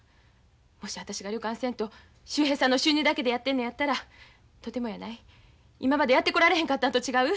もし私が旅館せんと秀平さんの収入だけでやってるのやったらとてもやない今までやってこられへんかったんと違う？